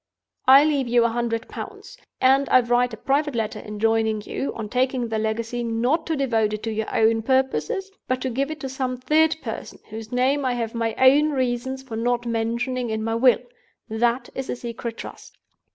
I leave you a hundred pounds; and I write a private letter enjoining you, on taking the legacy, not to devote it to your own purposes, but to give it to some third person, whose name I have my own reasons for not mentioning in my will. That is a Secret Trust.